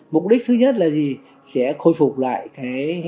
mục đích thứ nhất là gì sẽ khôi phục lại